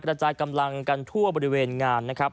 กระจายกำลังกันทั่วบริเวณงานนะครับ